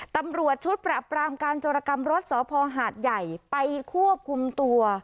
ตำรวจชุดปรับปรามการจรกรรมรถสพหาดใหญ่ไปควบคุมตัว